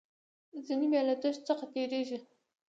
ځینې بیا له دښتو څخه تیریږي.